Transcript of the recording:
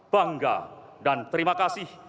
bangga dan terima kasih